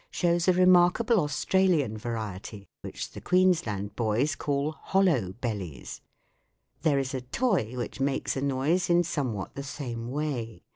55) shows a remarkable Australian variety, which the Queens land boys call r" hollow bel lies." There v is a toy which makes a noise in somewhat the same way.